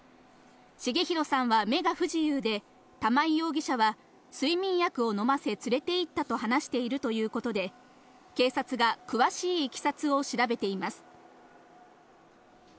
重弘さんは目が不自由で、玉井容疑者は睡眠薬を飲ませ、連れていったと話しているということで、警察が詳しいいきさつを調べています。